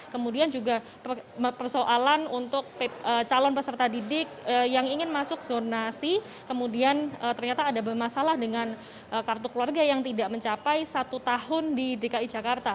kemudian juga persoalan untuk calon peserta didik yang ingin masuk zonasi kemudian ternyata ada bermasalah dengan kartu keluarga yang tidak mencapai satu tahun di dki jakarta